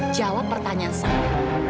jawab pertanyaan saya